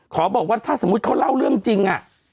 บอกว่าถ้าสมมุติเขาเล่าเรื่องจริง